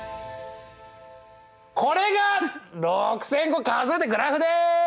これが６０００個数えたグラフです！